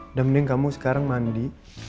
udah mending kamu sekarang mandi